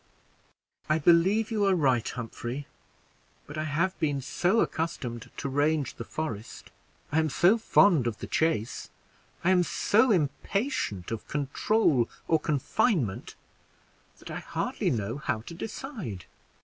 "I believe you are right, Humphrey; but I have been so accustomed to range the forest I am so fond of the chase I am so impatient of control or confinement, that I hardly know how to decide.